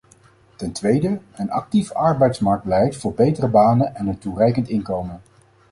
Ten tweede: een actief arbeidsmarktbeleid voor betere banen en een toereikend inkomen.